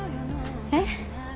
えっ？